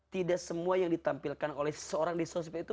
tidak semua yang ditampilkan oleh seseorang di sosmed itu